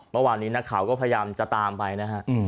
เมื่อวานนี้นักข่าวก็พยายามจะตามไปนะฮะ